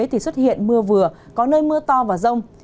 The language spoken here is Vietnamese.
thì xuất hiện mưa vừa có nơi mưa to và rông